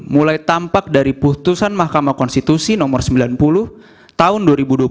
mulai tampak dari putusan mahkamah konstitusi nomor sembilan puluh tahun dua ribu dua puluh